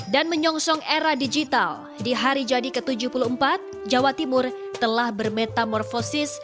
dan menyongsong era digital di hari jadi ke tujuh puluh empat jawa timur telah bermetamorfosis